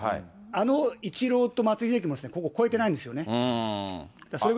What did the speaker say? あのイチローと松井秀喜もここ、越えてないんですよね。